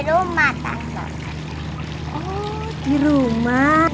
oh di rumah